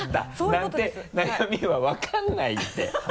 なんて悩みは分かんないって